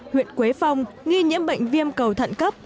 huyện quế phong nghi nhiễm bệnh viêm cầu thận cấp